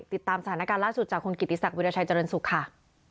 ติดตามสถานการณ์ล่าสุดจากคนกิตติศักดิ์วิทยาชายเจริญศุกร์ค่ะ